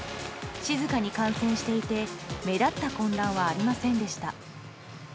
静かに観戦していて目立った混乱はありませんでした。